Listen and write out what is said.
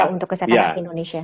untuk kesehatan anak indonesia